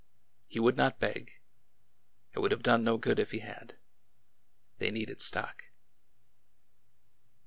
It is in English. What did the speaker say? He would not beg. It would have done no good if he had. They needed stock.